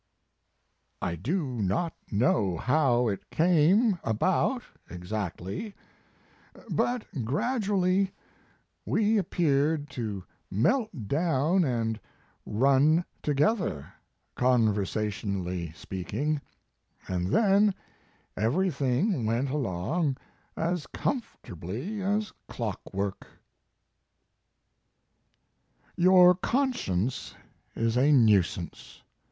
"I do not know how it came about ex actly, but gradually we appeared to melt down and run together, conversationally speaking, and then everything went along as comfortably as clockwork." His Life and Work. 211 " Your conscience is a nuisance.